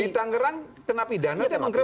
di tangerang kena pidana ya kena menggerbek